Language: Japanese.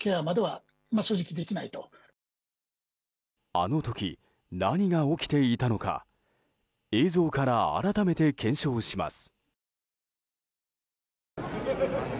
あの時、何が起きていたのか映像から改めて検証します。